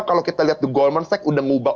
kalau kita lihat goldman sachs udah ngubah